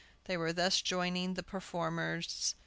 They were thus joining the performers.